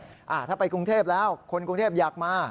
ถ้าไปกรุงเทพแล้วคนกรุงเทพอยากมา